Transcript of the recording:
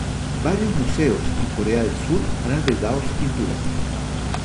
Varios museos en Corea del sur han albergado sus pinturas.